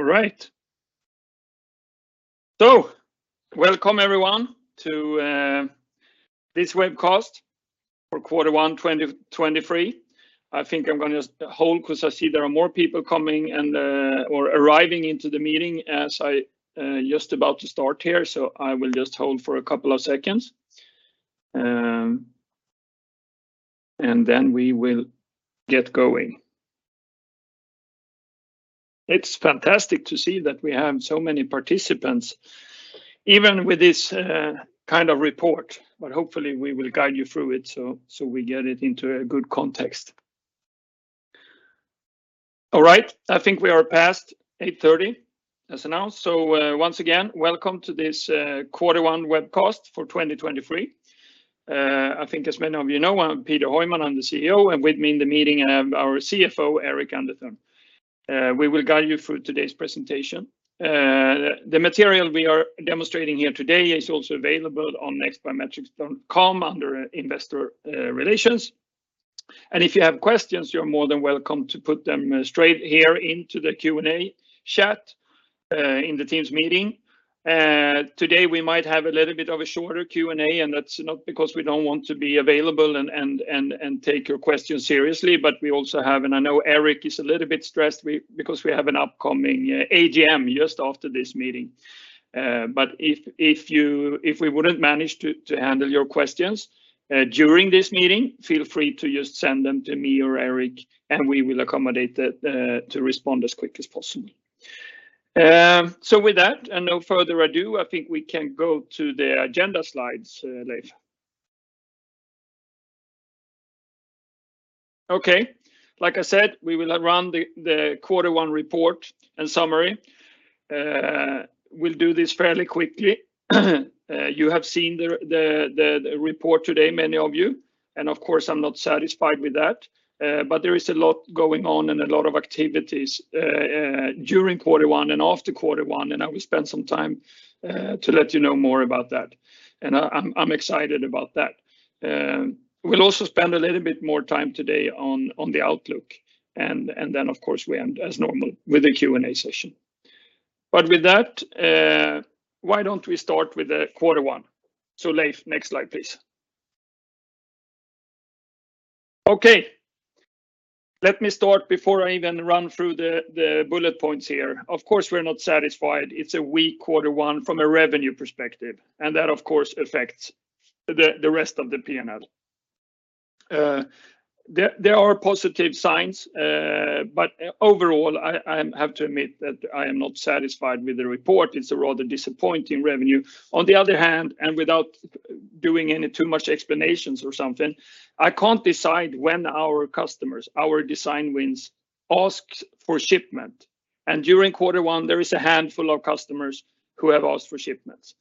All right. Welcome everyone to this webcast for Q1 2023. I think I'm gonna just hold 'cause I see there are more people coming and or arriving into the meeting as I just about to start here, so I will just hold for a couple of seconds. Then we will get going. It's fantastic to see that we have so many participants even with this kind of report. Hopefully we will guide you through it so we get it into a good context. All right. I think we are past 8:30 A.M. as announced, once again, welcome to this Q1 webcast for 2023. I think as many of you know, I'm Peter Heuman, I'm the CEO, and with me in the meeting, I have our CFO, Eirik Underthun. We will guide you through today's presentation. The material we are demonstrating here today is also available on nextbiometrics.com under investor relations. If you have questions, you're more than welcome to put them straight here into the Q&A chat in the Teams meeting. Today we might have a little bit of a shorter Q&A, and that's not because we don't want to be available and take your questions seriously, but we also have. I know Eirik is a little bit stressed because we have an upcoming AGM just after this meeting. If we wouldn't manage to handle your questions during this meeting, feel free to just send them to me or Eirik, and we will accommodate to respond as quick as possible. With that, and no further ado, I think we can go to the agenda slides, Leif. Okay. Like I said, we will run the Q1 report and summary. We'll do this fairly quickly. You have seen the, the report today, many of you, and of course, I'm not satisfied with that. There is a lot going on and a lot of activities, during Q1 and after Q1, and I will spend some time to let you know more about that. I'm, I'm excited about that. We'll also spend a little bit more time today on the outlook and then of course, we end as normal with a Q&A session. With that, why don't we start with the Q1? Leif, next slide, please. Okay. Let me start before I even run through the bullet points here. Of course, we're not satisfied. It's a weak Q1 from a revenue perspective, and that, of course, affects the rest of the P&L. There are positive signs, but overall, I have to admit that I am not satisfied with the report. It's a rather disappointing revenue. On the other hand, and without doing any too much explanations or something, I can't decide when our customers, our design wins, ask for shipment. During Q1, there is a handful of customers who have asked for shipments.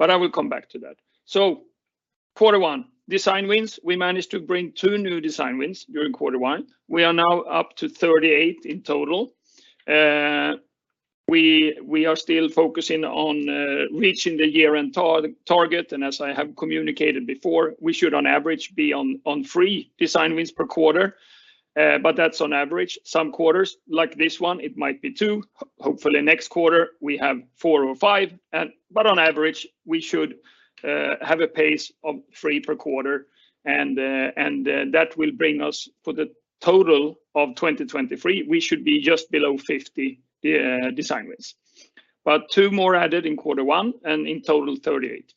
I will come back to that. Q1, design wins. We managed to bring two new design wins during Q1. We are now up to 38 in total. We are still focusing on reaching the year-end target. As I have communicated before, we should on average be on three design wins per quarter. That's on average. Some quarters, like this one, it might be two. Hopefully next quarter we have four or five. But on average, we should have a pace of three per quarter, and that will bring us for the total of 2023, we should be just below 50 design wins. Two more added in Q1, and in total 38.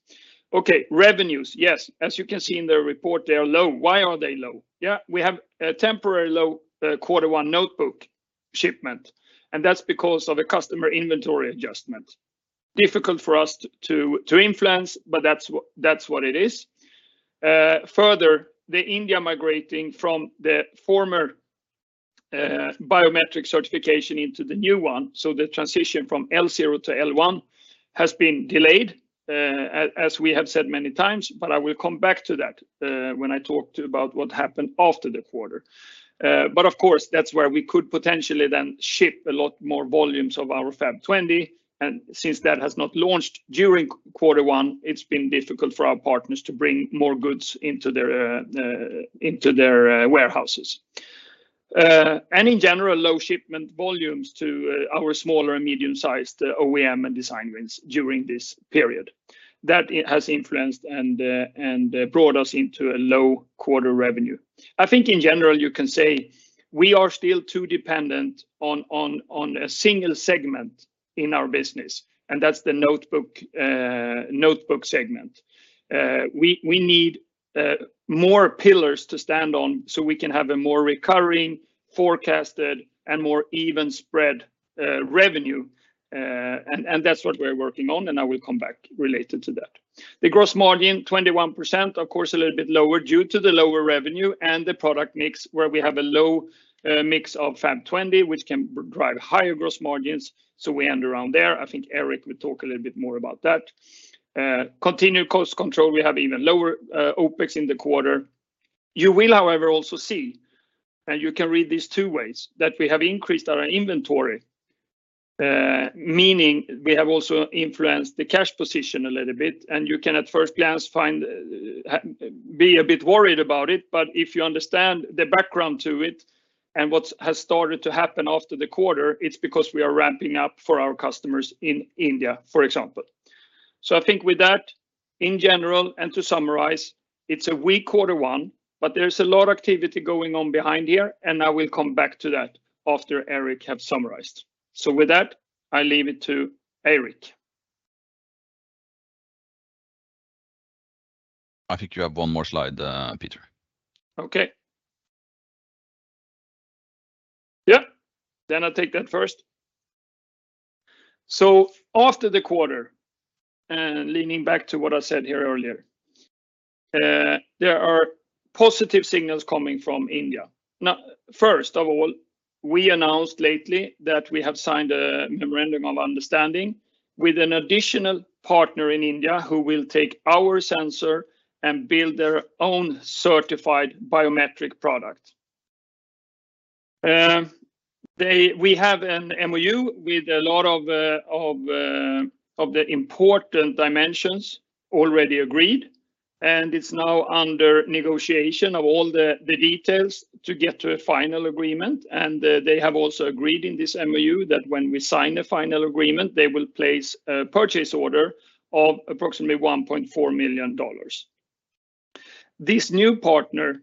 Okay. Revenues, yes. As you can see in the report, they are low. Why are they low? Yeah. We have a temporary low Q1 notebook shipment, and that's because of a customer inventory adjustment. Difficult for us to influence, but that's what it is. Further, the India migrating from the former, biometric certification into the new one, so the transition from L0 to L1 has been delayed, as we have said many times, but I will come back to that, when I talk to you about what happened after the quarter. Of course, that's where we could potentially then ship a lot more volumes of our FAP20, and since that has not launched during Q1, it's been difficult for our partners to bring more goods into their warehouses. In general, low shipment volumes to, our smaller and medium-sized OEM and design wins during this period. That has influenced and brought us into a low quarter revenue. I think in general, you can say we are still too dependent on a single segment in our business, and that's the notebook segment. We need more pillars to stand on so we can have a more recurring, forecasted, and more even spread revenue. That's what we're working on, and I will come back related to that. The gross margin, 21%, of course, a little bit lower due to the lower revenue and the product mix where we have a low mix of FAP20, which can drive higher gross margins. We end around there. I think Eirik will talk a little bit more about that. Continued cost control, we have even lower OpEx in the quarter. You will, however, also see, and you can read these two ways, that we have increased our inventory, meaning we have also influenced the cash position a little bit, and you can at first glance find, be a bit worried about it, but if you understand the background to it and what has started to happen after the quarter, it's because we are ramping up for our customers in India, for example. I think with that, in general, and to summarize, it's a weak Q1, but there's a lot of activity going on behind here, and I will come back to that after Eirik have summarized. With that, I leave it to Eirik. I think you have one more slide, Peter. Okay. Yeah. I'll take that first. After the quarter, and leaning back to what I said here earlier, there are positive signals coming from India. Now, first of all, we announced lately that we have signed a Memorandum of Understanding with an additional partner in India who will take our sensor and build their own certified biometric product. They, we have an MOU with a lot of the important dimensions already agreed, and it's now under negotiation of all the details to get to a final agreement. They have also agreed in this MOU that when we sign a final agreement, they will place a purchase order of approximately $1.4 million. This new partner,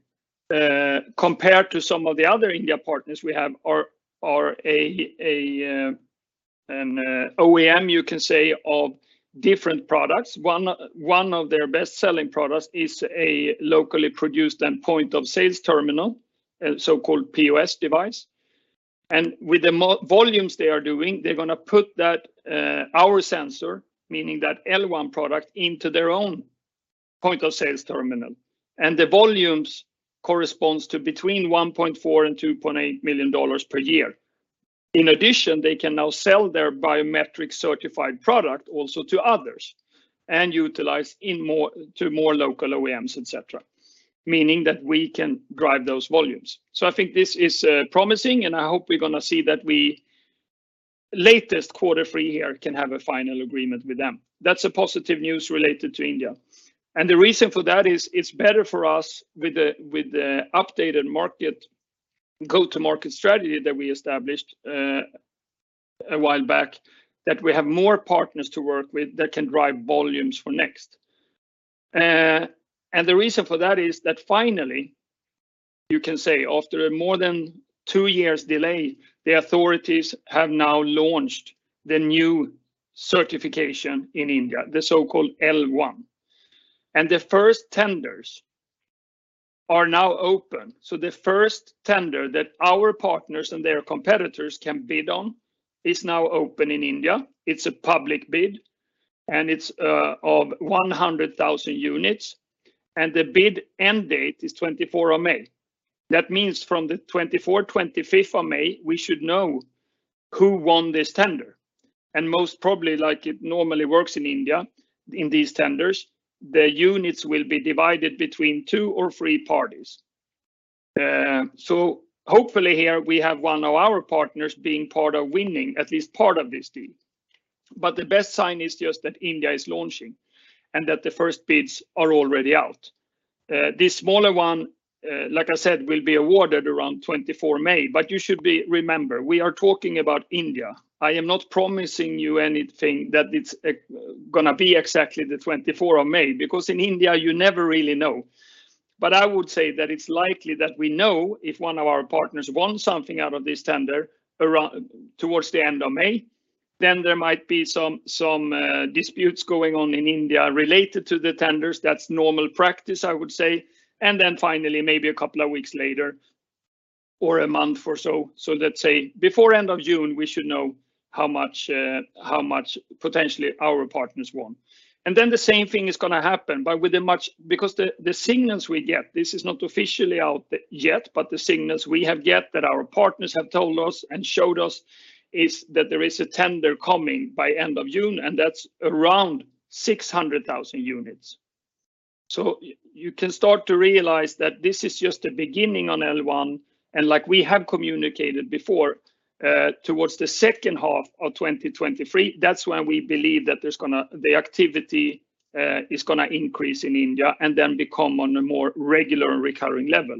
compared to some of the other India partners we have are an OEM, you can say, of different products. One of their best-selling products is a locally produced and point-of-sale terminal, a so-called POS device. With the volumes they are doing, they're gonna put that, our sensor, meaning that L1 product, into their own point-of-sale terminal. The volumes corresponds to between $1.4 million and $2.8 million per year. In addition, they can now sell their biometric certified product also to others and utilize to more local OEMs, et cetera. Meaning that we can drive those volumes. I think this is promising, and I hope we're gonna see that we, latest Q3 here, can have a final agreement with them. That's a positive news related to India. The reason for that is it's better for us with the updated market, go-to-market strategy that we established a while back, that we have more partners to work with that can drive volumes for NEXT. The reason for that is that finally, you can say after more than two years delay, the authorities have now launched the new certification in India, the so-called L1. The first tenders are now open. The first tender that our partners and their competitors can bid on is now open in India. It's a public bid, and it's of 100,000 units, and the bid end date is May 24. That means from May 24, 25, we should know who won this tender. Most probably like it normally works in India in these tenders, the units will be divided between two or three parties. Hopefully here we have one of our partners being part of winning at least part of this deal. The best sign is just that India is launching and that the first bids are already out. This smaller one, like I said, will be awarded around 24th May, but you should be remember, we are talking about India. I am not promising you anything that it's gonna be exactly the 24th of May, because in India you never really know. I would say that it's likely that we know if one of our partners won something out of this tender around towards the end of May, then there might be some disputes going on in India related to the tenders. That's normal practice, I would say. Finally, maybe a couple of weeks later or a month or so let's say before end of June, we should know how much potentially our partners won. The same thing is gonna happen. Because the signals we get, this is not officially out yet, but the signals we have yet that our partners have told us and showed us is that there is a tender coming by end of June, and that's around 600,000 units. You can start to realize that this is just the beginning on L1, and like we have communicated before, towards the H2 of 2023, that's when we believe the activity is gonna increase in India and then become on a more regular and recurring level.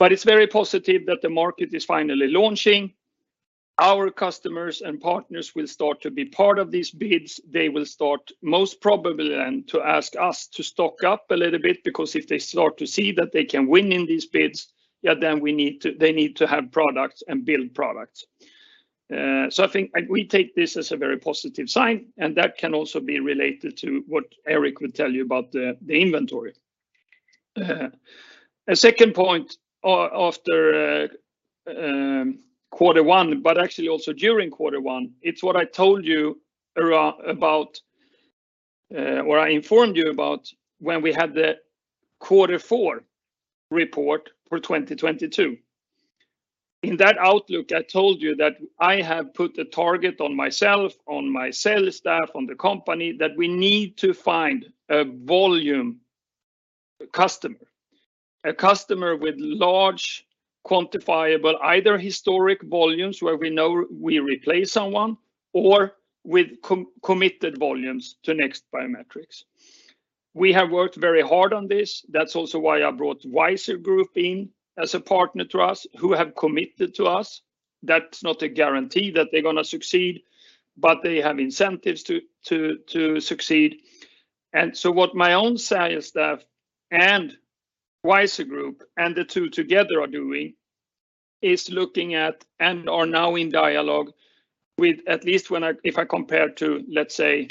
It's very positive that the market is finally launching. Our customers and partners will start to be part of these bids. They will start most probably then to ask us to stock up a little bit because if they start to see that they can win in these bids, yeah, then we need to, they need to have products and build products. I think, and we take this as a very positive sign, and that can also be related to what Eirik will tell you about the inventory. A second point after Q1, but actually also during Q1, it's what I told you around, about, what I informed you about when we had the Q4 report for 2022. In that outlook, I told you that I have put a target on myself, on my sales staff, on the company, that we need to find a volume customer. A customer with large quantifiable either historic volumes where we know we replace someone or with committed volumes to NEXT Biometrics. We have worked very hard on this. That's also why I brought WISER Group in as a partner to us who have committed to us. That's not a guarantee that they're gonna succeed, but they have incentives to succeed. What my own sales staff and WISER Group and the two together are doing is looking at and are now in dialogue with at least if I compare to, let's say,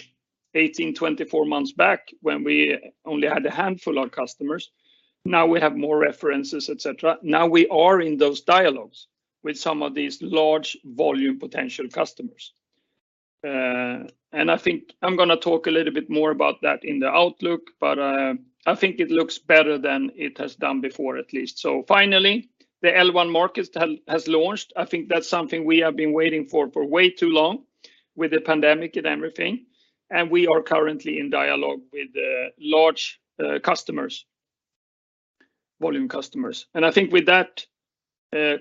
18, 24 months back when we only had a handful of customers, now we have more references, et cetera. Now we are in those dialogues with some of these large volume potential customers. I think I'm gonna talk a little bit more about that in the outlook, but, I think it looks better than it has done before at least. Finally, the L1 market has launched. I think that's something we have been waiting for for way too long with the pandemic and everything, and we are currently in dialogue with, large, customers, volume customers. I think with that,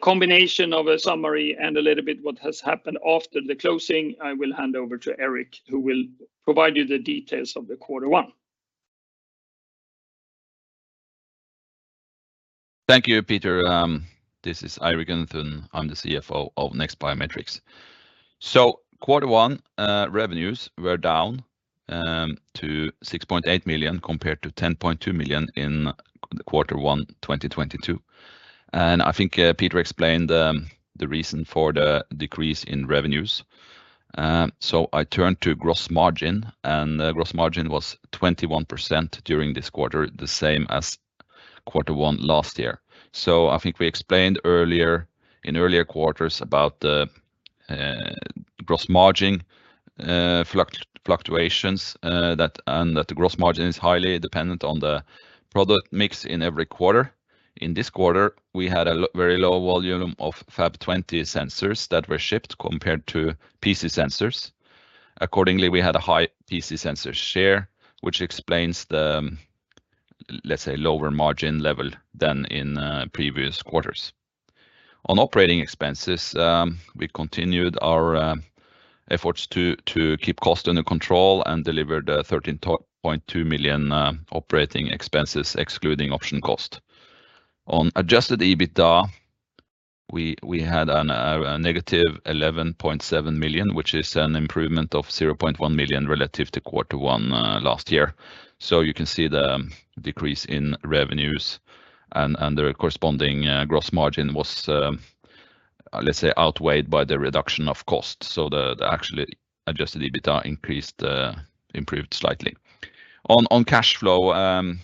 combination of a summary and a little bit what has happened after the closing, I will hand over to Eirik, who will provide you the details of the Q1. Thank you, Peter. This is Eirik Underthun. I'm the CFO of NEXT Biometrics. Q1 revenues were down to 6.8 million compared to 10.2 million in Q1 2022. I think Peter explained the reason for the decrease in revenues. I turn to gross margin. Gross margin was 21% during this quarter, the same as Q1 last year. I think we explained earlier, in earlier quarters about the gross margin fluctuations, that the gross margin is highly dependent on the product mix in every quarter. In this quarter, we had a very low volume of FAP20 sensors that were shipped compared to PC sensors. Accordingly, we had a high PC sensor share, which explains the, let's say, lower margin level than in previous quarters. On operating expenses, we continued our efforts to keep cost under control and delivered 13.2 million operating expenses excluding option cost. On Adjusted EBITDA, we had a negative 11.7 million, which is an improvement of 0.1 million relative to Q1 last year. You can see the decrease in revenues and the corresponding gross margin was let's say, outweighed by the reduction of cost. The actually Adjusted EBITDA improved slightly. On cash flow,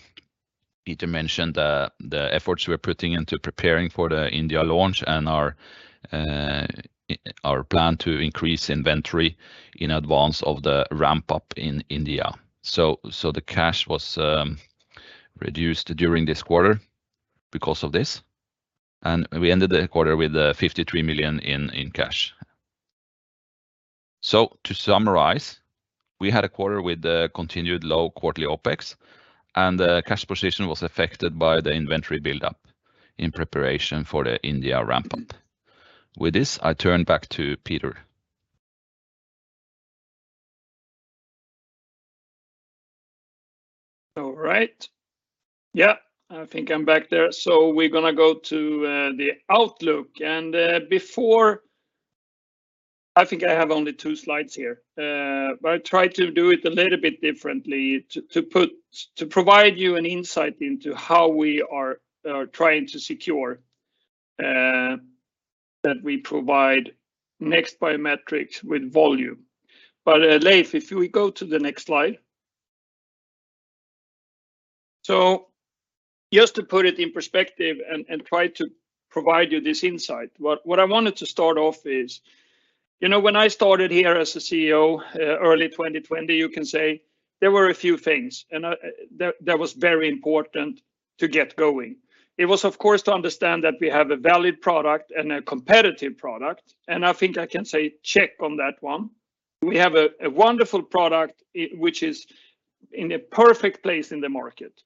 Peter mentioned the efforts we're putting into preparing for the India launch and our plan to increase inventory in advance of the ramp-up in India. The cash was reduced during this quarter because of this, and we ended the quarter with 53 million in cash. To summarize, we had a quarter with a continued low quarterly OpEx, and the cash position was affected by the inventory build-up in preparation for the India ramp-up. With this, I turn back to Peter. All right. Yeah, I think I'm back there. We're gonna go to the outlook. Before I think I have only two slides here. I try to do it a little bit differently to provide you an insight into how we are trying to secure that we provide NEXT Biometrics with volume. Leif, if we go to the next slide. Just to put it in perspective and try to provide you this insight, what I wanted to start off is, you know, when I started here as a CEO, early 2020, you can say there were a few things that was very important to get going. It was, of course, to understand that we have a valid product and a competitive product. I think I can say check on that one. We have a wonderful product which is in a perfect place in the market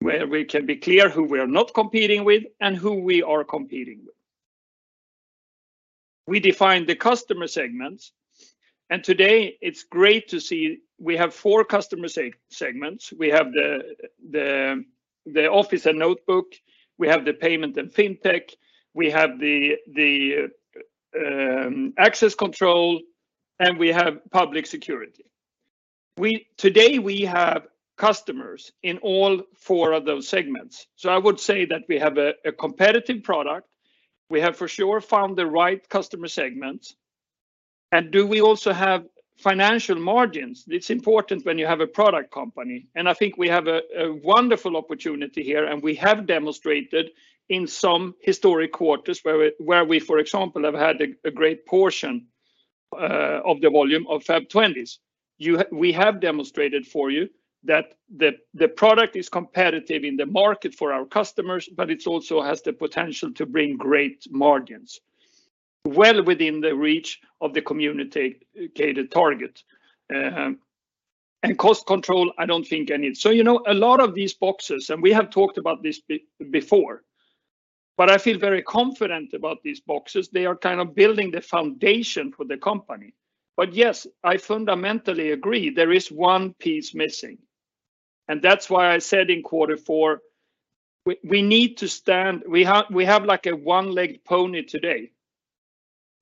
where we can be clear who we are not competing with and who we are competing with. We defined the customer segments. Today it's great to see we have four customer segments. We have the Office and Notebooks, we have the Payments and Fintech, we have the Access control, and we have Public Security. Today, we have customers in all four of those segments. I would say that we have a competitive product. We have for sure found the right customer segments. Do we also have financial margins? It's important when you have a product company, and I think we have a wonderful opportunity here, and we have demonstrated in some historic quarters where we, for example, have had a great portion of the volume of FAP20s. We have demonstrated for you that the product is competitive in the market for our customers, but it also has the potential to bring great margins. Well within the reach of the communicated target. Cost control, I don't think I need. You know, a lot of these boxes, and we have talked about this before, but I feel very confident about these boxes. They are kind of building the foundation for the company. Yes, I fundamentally agree there is one piece missing, and that's why I said in Q4, we need to stand... We have like a one-legged pony today,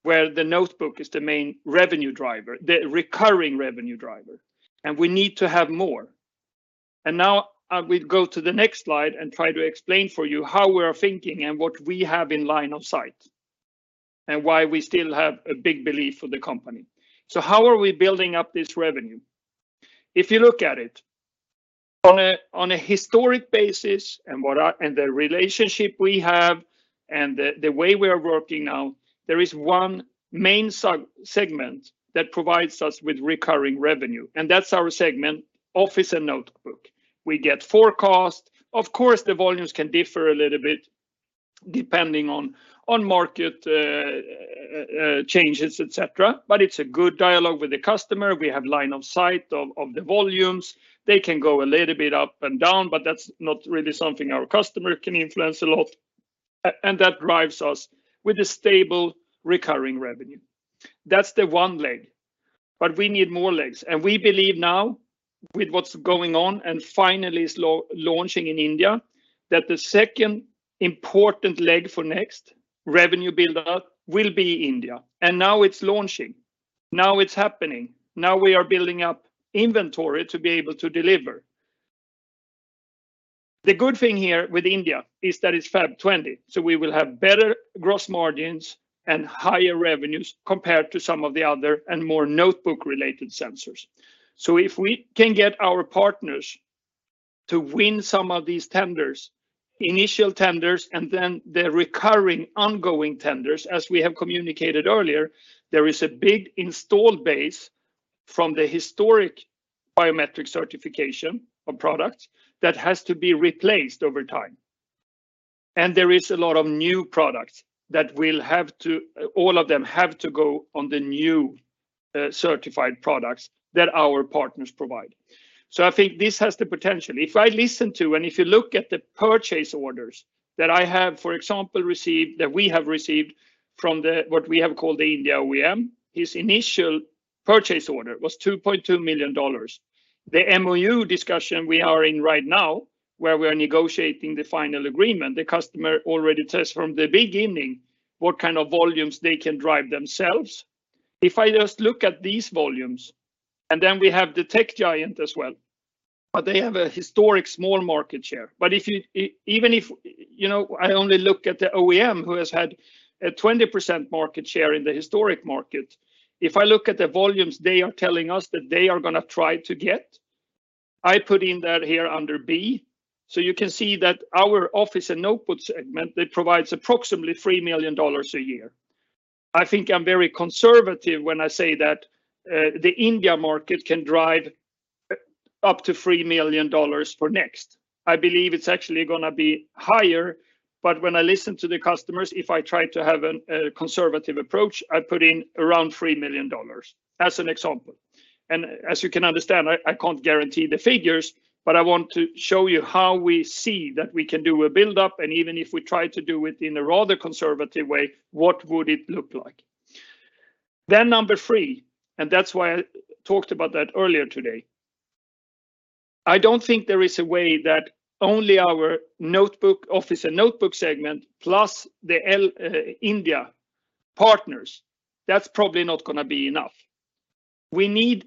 where the notebook is the main revenue driver, the recurring revenue driver, we need to have more. Now I will go to the next slide and try to explain for you how we are thinking and what we have in line of sight, and why we still have a big belief for the company. How are we building up this revenue? If you look at it on a historic basis and the relationship we have and the way we are working now, there is one main segment that provides us with recurring revenue, and that's our segment Office and Notebooks. We get forecast. Of course, the volumes can differ a little bit depending on market changes, et cetera, but it's a good dialogue with the customer. We have line of sight of the volumes. They can go a little bit up and down, but that's not really something our customer can influence a lot, and that drives us with a stable recurring revenue. That's the one leg. We need more legs. We believe now with what's going on and finally is launching in India, that the second important leg for NEXT revenue buildup will be India. Now it's launching. Now it's happening. Now we are building up inventory to be able to deliver. The good thing here with India is that it's FAP20, so we will have better gross margins and higher revenues compared to some of the other and more notebook-related sensors. If we can get our partners to win some of these tenders, initial tenders and then the recurring ongoing tenders, as we have communicated earlier, there is a big installed base from the historic biometric certification of products that has to be replaced over time. There is a lot of new products that will all of them have to go on the new, certified products that our partners provide. I think this has the potential. If I listen to, and if you look at the purchase orders that I have, for example, received, that we have received from the, what we have called the India OEM, his initial purchase order was $2.2 million. The MOU discussion we are in right now, where we are negotiating the final agreement, the customer already says from the beginning what kind of volumes they can drive themselves. I just look at these volumes, and then we have the tech giant as well, but they have a historic small market share. you know, I only look at the OEM who has had a 20% market share in the historic market, if I look at the volumes they are telling us that they are gonna try to get, I put in that here under B. You can see that our Office and Notebook segment, it provides approximately $3 million a year. I think I'm very conservative when I say that the India market can drive up to $3 million for NEXT. I believe it's actually gonna be higher, but when I listen to the customers, if I try to have a conservative approach, I put in around $3 million as an example. As you can understand, I can't guarantee the figures, but I want to show you how we see that we can do a build-up, and even if we try to do it in a rather conservative way, what would it look like? Number three, and that's why I talked about that earlier today. I don't think there is a way that only our notebook, Office and Notebooks segment plus the India partners, that's probably not gonna be enough. We need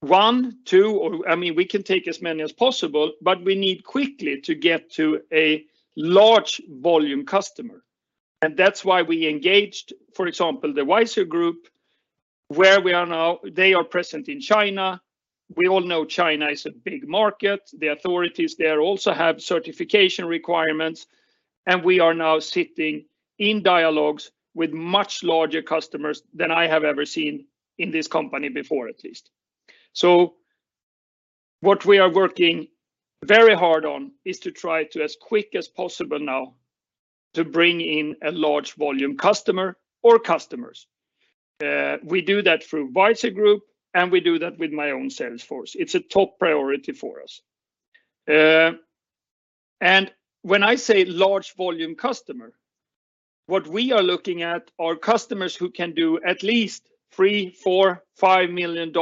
one, two, or, I mean, we can take as many as possible, but we need quickly to get to a large volume customer. That's why we engaged, for example, the WISER Group, where we are now. They are present in China. We all know China is a big market. The authorities there also have certification requirements. We are now sitting in dialogues with much larger customers than I have ever seen in this company before at least. What we are working very hard on is to try to as quick as possible now to bring in a large volume customer or customers. We do that through WISER Group, and we do that with my own sales force. It's a top priority for us. When I say large volume customer, what we are looking at are customers who can do at least $3 million-$5 million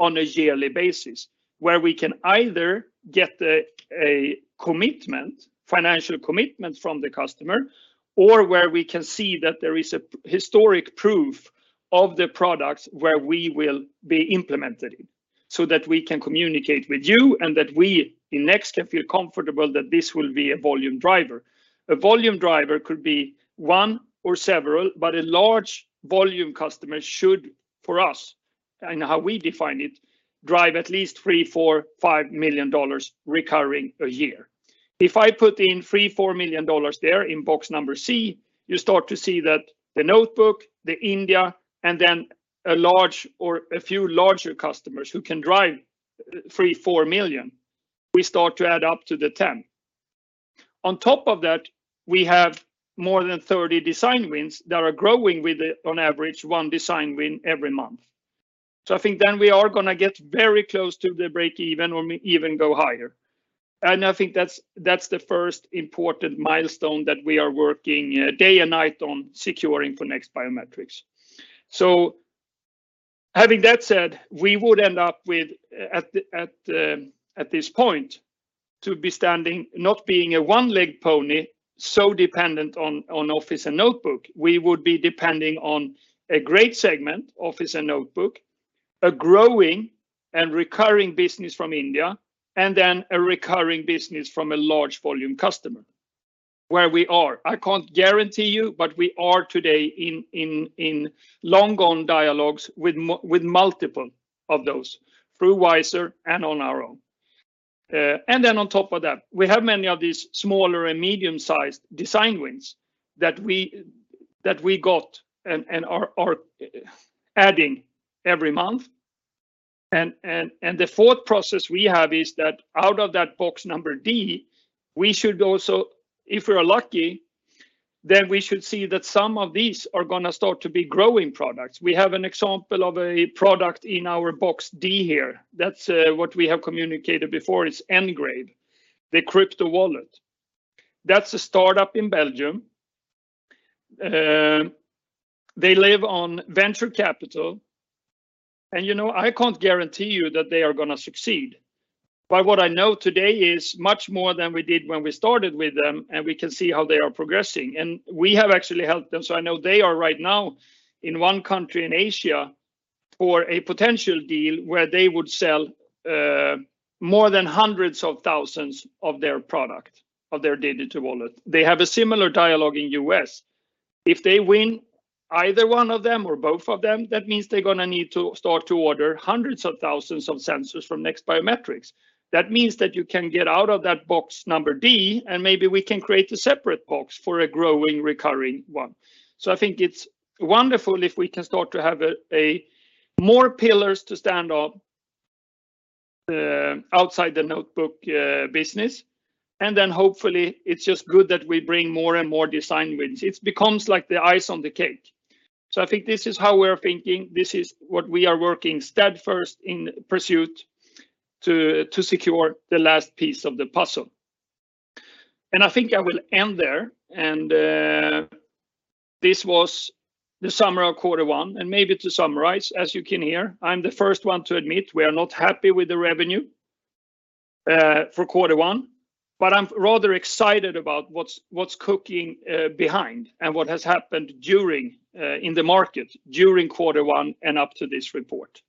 on a yearly basis, where we can either get a commitment, financial commitment from the customer, or where we can see that there is a historic proof of the products where we will be implemented so that we can communicate with you and that we in NEXT can feel comfortable that this will be a volume driver. A volume driver could be one or several, but a large volume customer should, for us, and how we define it, drive at least $3 million-$5 million recurring a year. If I put in $3 million-$4 million there in box number C, you start to see that the notebook, the India, and then a large or a few larger customers who can drive $3 million-$4 million, we start to add up to the $10 million. On top of that, we have more than 30 design wins that are growing with on average one design win every month. I think then we are gonna get very close to the breakeven or even go higher. I think that's the first important milestone that we are working day and night on securing for NEXT Biometrics. Having that said, we would end up with at this point to be standing, not being a one-leg pony so dependent on Office and Notebooks. We would be depending on a great segment, Office and Notebooks, a growing and recurring business from India, and then a recurring business from a large volume customer where we are. I can't guarantee you, we are today in long gone dialogues with multiple of those through WISER and on our own. On top of that, we have many of these smaller and medium-sized design wins that we got and are adding every month. The fourth process we have is that out of that box number D, we should also, if we are lucky, then we should see that some of these are gonna start to be growing products. We have an example of a product in our box D here. That's what we have communicated before. It's NGRAVE, the crypto wallet. That's a startup in Belgium. They live on venture capital, and, you know, I can't guarantee you that they are gonna succeed. What I know today is much more than we did when we started with them, and we can see how they are progressing, and we have actually helped them. I know they are right now in one country in Asia for a potential deal where they would sell more than hundreds of thousands of their product, of their digital wallet. They have a similar dialogue in US. If they win either one of them or both of them, that means they're gonna need to start to order hundreds of thousands of sensors from NEXT Biometrics. That means that you can get out of that box number D, and maybe we can create a separate box for a growing recurring one. I think it's wonderful if we can start to have a more pillars to stand on outside the notebook business. Hopefully, it's just good that we bring more and more design wins. It becomes like the ice on the cake. I think this is how we're thinking. This is what we are working steadfast in pursuit to secure the last piece of the puzzle. I think I will end there. This was the summary of Q1, and maybe to summarize, as you can hear, I'm the first one to admit we are not happy with the revenue for Q1, but I'm rather excited about what's cooking behind and what has happened during in the market during Q1 and up to this report.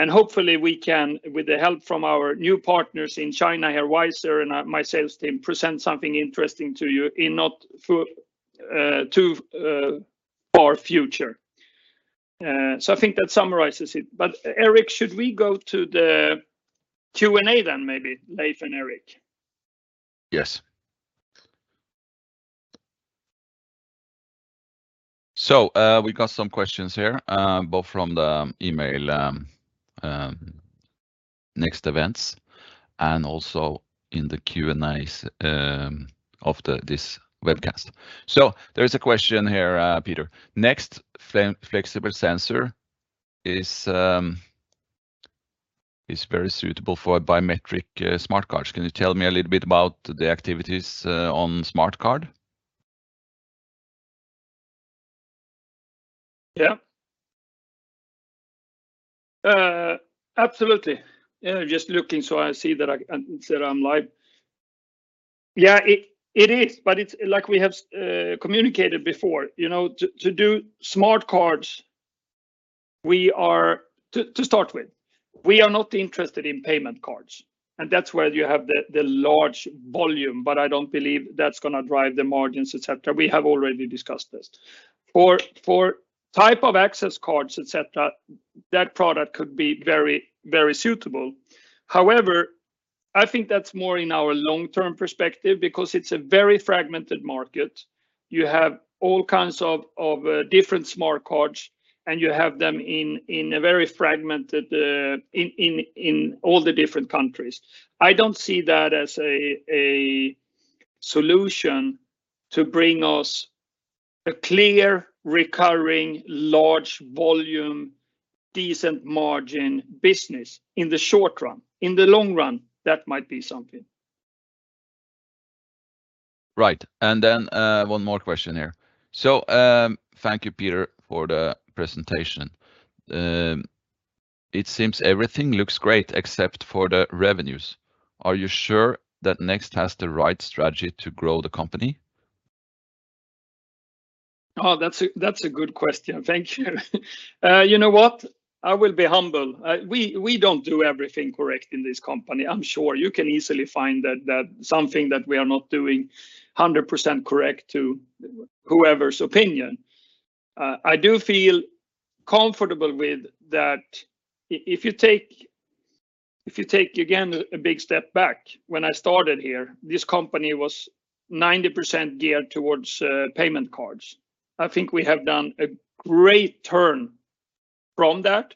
Hopefully we can, with the help from our new partners in China here, WISER and my sales team, present something interesting to you in not too far future. I think that summarizes it. Eirik, should we go to the Q&A then maybe, Leif and Eirik? Yes. We got some questions here, both from the email, NEXT events and also in the Q&As of this webcast. There is a question here, Peter. NEXT flexible sensor is very suitable for biometric smart cards. Can you tell me a little bit about the activities on smart card? Absolutely. Just looking, so I see that I'm live. It is, but it's like we have communicated before. You know, to do smart cards, To start with, we are not interested in payment cards, and that's where you have the large volume, but I don't believe that's gonna drive the margins, et cetera. We have already discussed this. For type of access cards, et cetera, that product could be very, very suitable. However, I think that's more in our long-term perspective because it's a very fragmented market. You have all kinds of different smart cards, and you have them in a very fragmented in all the different countries. I don't see that as a solution to bring us a clear, recurring, large volume, decent margin business in the short run. In the long run, that might be something. Right. One more question here. Thank you, Peter, for the presentation. It seems everything looks great except for the revenues. Are you sure that NEXT has the right strategy to grow the company? Oh, that's a good question. Thank you. You know what? I will be humble. We don't do everything correct in this company. I'm sure you can easily find that something that we are not doing 100% correct to whoever's opinion. I do feel comfortable with that if you take, again, a big step back, when I started here, this company was 90% geared towards payment cards. I think we have done a great turn from that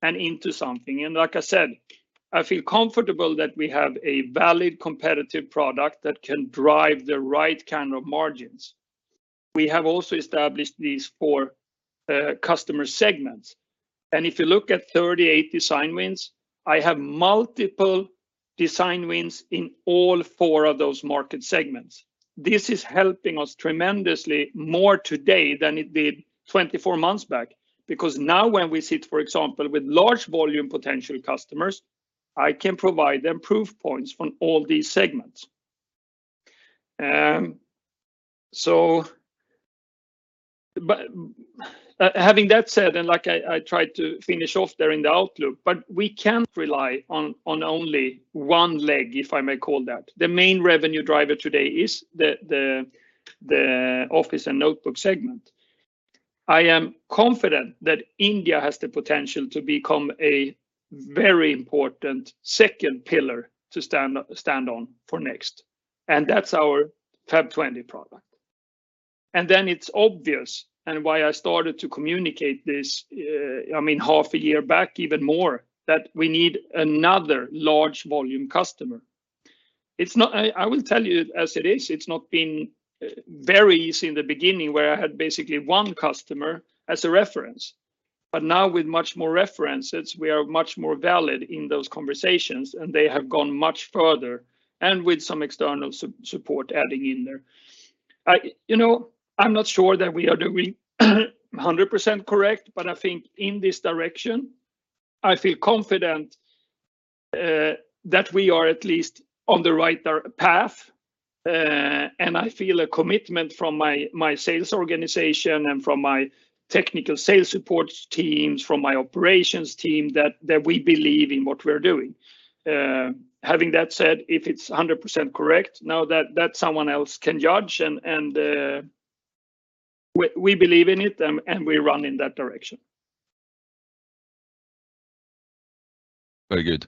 and into something. Like I said, I feel comfortable that we have a valid competitive product that can drive the right kind of margins. We have also established these four customer segments. If you look at 38 design wins, I have multiple design wins in all four of those market segments. This is helping us tremendously more today than it did 24 months back because now when we sit, for example, with large volume potential customers, I can provide them proof points from all these segments. Having that said, and like I tried to finish off there in the outlook, but we can't rely on only one leg, if I may call that. The main revenue driver today is the Office and Notebooks segment. I am confident that India has the potential to become a very important second pillar to stand on for NEXT Biometrics. That's our FAP20 product. It's obvious and why I started to communicate this, I mean, half a year back even more, that we need another large volume customer. I will tell you as it is, it's not been very easy in the beginning where I had basically one customer as a reference. Now with much more references, we are much more valid in those conversations, and they have gone much further and with some external support adding in there. I, you know, I'm not sure that we are doing 100% correct, but I think in this direction I feel confident that we are at least on the right path. I feel a commitment from my sales organization and from my technical sales support teams, from my operations team that we believe in what we're doing. having that said, if it's 100% correct, now that someone else can judge and, we believe in it and we run in that direction. Very good.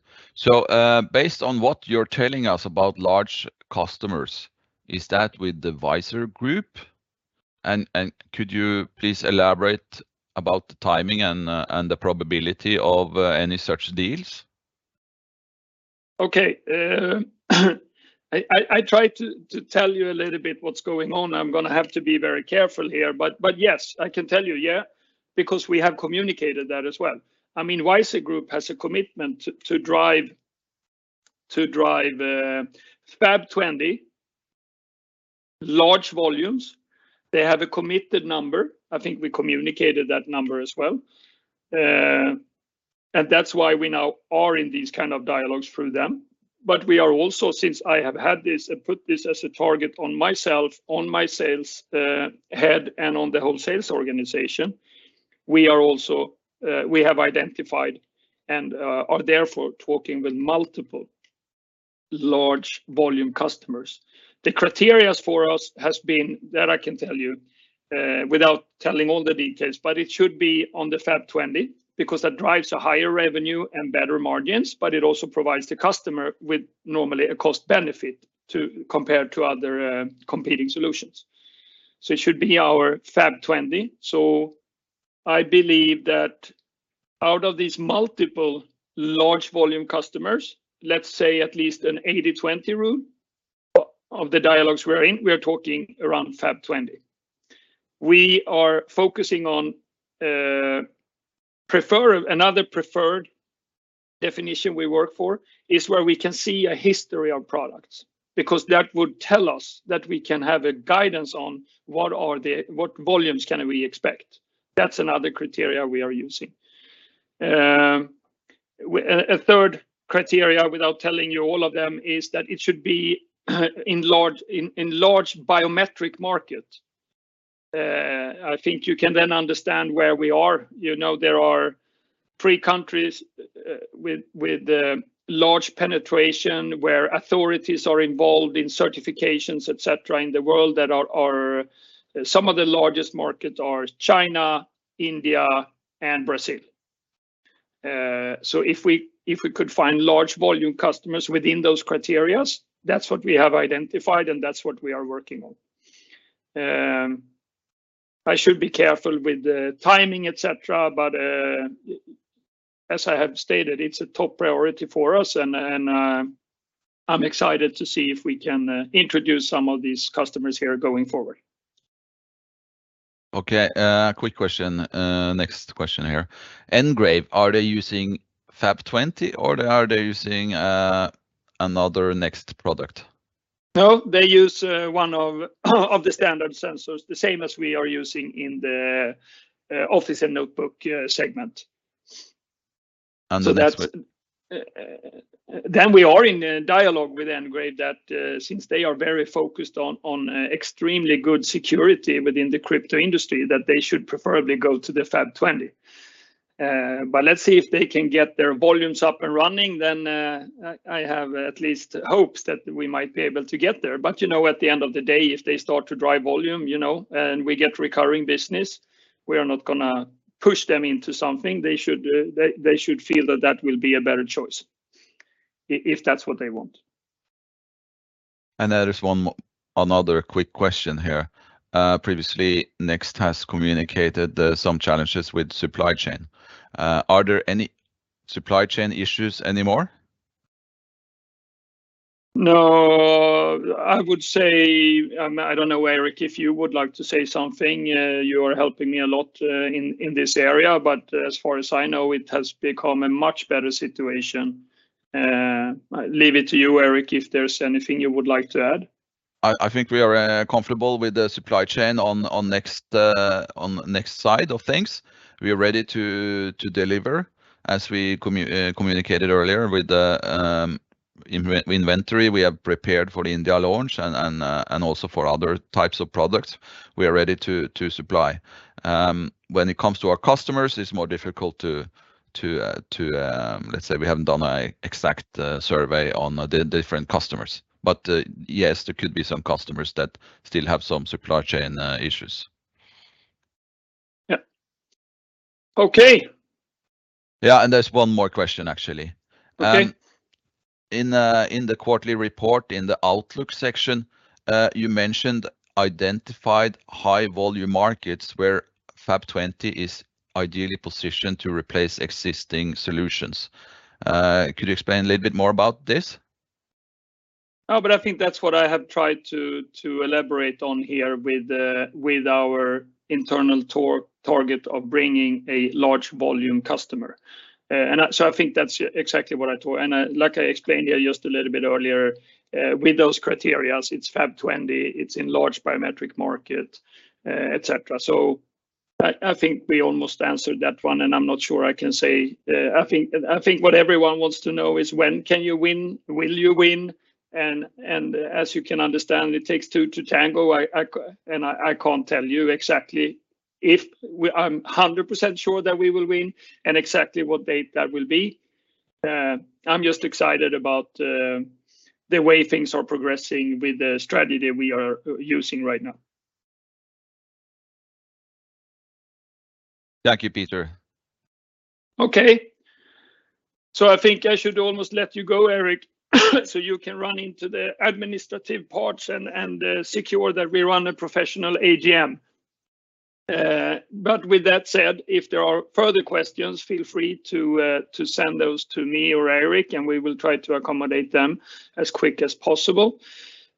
Based on what you're telling us about large customers, is that with the WISER Group? Could you please elaborate about the timing and the probability of any such deals? Okay. I tried to tell you a little bit what's going on. I'm gonna have to be very careful here, but yes, I can tell you, yeah, because we have communicated that as well. I mean, WISER Group has a commitment to drive FAP20 large volumes. They have a committed number. I think we communicated that number as well. That's why we now are in these kind of dialogues through them. We are also, since I have had this and put this as a target on myself, on my sales head, and on the whole sales organization, we are also, we have identified and are therefore talking with multiple large volume customers. The criteria for us has been, that I can tell you, without telling all the details, but it should be on the FAP20 because that drives a higher revenue and better margins, but it also provides the customer with normally a cost benefit to compare to other competing solutions. It should be our FAP20. I believe that out of these multiple large volume customers, let's say at least an 80-20 rule of the dialogues we're in, we are talking around FAP20. We are focusing on another preferred definition we work for is where we can see a history of products because that would tell us that we can have a guidance on what volumes can we expect. That's another criteria we are using. A third criteria without telling you all of them is that it should be in large biometric market. I think you can then understand where we are. You know, there are three countries with large penetration where authorities are involved in certifications, et cetera, in the world that are some of the largest markets are China, India, and Brazil. If we could find large volume customers within those criterias, that's what we have identified and that's what we are working on. I should be careful with the timing, et cetera, but as I have stated, it's a top priority for us and I'm excited to see if we can introduce some of these customers here going forward. Okay. Quick question. Next question here. NGRAVE, are they using FAP20 or are they using, another NEXT product? No, they use one of the standard sensors, the same as we are using in the Office and Notebooks segment. Understood. Then we are in a dialogue with NGRAVE that, since they are very focused on extremely good security within the crypto industry, that they should preferably go to the FAP20. But let's see if they can get their volumes up and running, then I have at least hopes that we might be able to get there. But you know, at the end of the day, if they start to drive volume, you know, and we get recurring business, we are not gonna push them into something. They should, they should feel that that will be a better choice if that's what they want. There is one another quick question here. Previously, NEXT has communicated, some challenges with supply chain. Are there any supply chain issues anymore? No. I would say, I don't know, Eirik, if you would like to say something. You are helping me a lot, in this area. As far as I know, it has become a much better situation. I leave it to you, Eirik, if there's anything you would like to add. I think we are comfortable with the supply chain on NEXT side of things. We are ready to deliver as we communicated earlier with the inventory we have prepared for the India launch and also for other types of products we are ready to supply. When it comes to our customers, it's more difficult to let's say we haven't done an exact survey on the different customers. Yes, there could be some customers that still have some supply chain issues. Yeah. Okay. Yeah. There's one more question actually. Okay. In the quarterly report, in the Outlook section, you mentioned identified high volume markets where FAP20 is ideally positioned to replace existing solutions. Could you explain a little bit more about this? I think that's what I have tried to elaborate on here with our internal target of bringing a large volume customer. I think that's exactly what I thought. Like I explained here just a little bit earlier, with those criteria, it's FAP20, it's in large biometric market, et cetera. I think we almost answered that one. I'm not sure I can say... I think what everyone wants to know is when can you win? Will you win? As you can understand, it takes two to tango. I can't tell you exactly if we... I'm 100% sure that we will win and exactly what date that will be. I'm just excited about the way things are progressing with the strategy that we are using right now. Thank you, Peter. I think I should almost let you go, Eirik, so you can run into the administrative parts and secure that we run a professional AGM. With that said, if there are further questions, feel free to send those to me or Eirik, and we will try to accommodate them as quick as possible.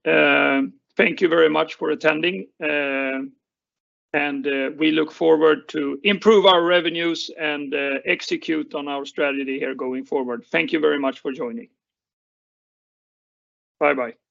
Thank you very much for attending. And we look forward to improve our revenues and execute on our strategy here going forward. Thank you very much for joining. Bye-bye.